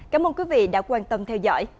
cảm ơn quý vị đã quan tâm theo dõi